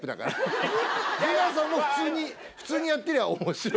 出川さんも普通にやってりゃ面白いもん。